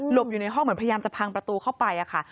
อยู่ในห้องเหมือนพยายามจะพังประตูเข้าไปค่ะ